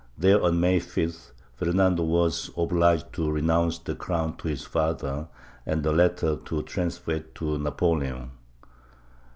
There, on May 5, Fernando was obliged to renounce the crown to his father and the latter to transfer it to Napoleon.